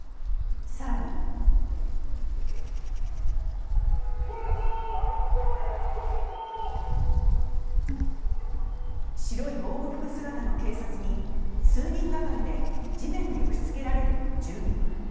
更に白い防護服姿の警察に数人がかりで地面に押しつけられる住民。